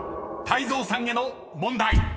泰造さんへの問題］